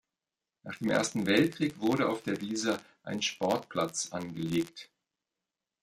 Nach dem Ersten Weltkrieg wurde auf der Wiese ein Sportplatz angelegt.